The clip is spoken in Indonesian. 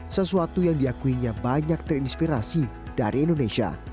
sesuatu yang diakuinya banyak terinspirasi dari indonesia